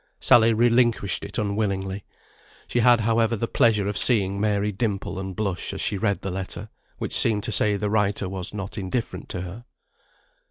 Sally relinquished it unwillingly. She had, however, the pleasure of seeing Mary dimple and blush as she read the letter, which seemed to say the writer was not indifferent to her.